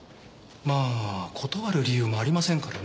まあ断る理由もありませんからね。